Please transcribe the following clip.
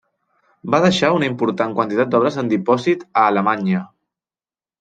Va deixar una important quantitat d'obres en dipòsit a Alemanya.